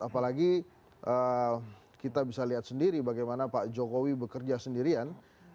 apalagi kita bisa lihat sendiri bagaimana pak jokowi bekerja sendirian